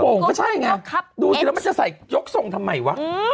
งงก็ใช่ไงดูสิแล้วมันจะใส่ยกทรงทำไมวะ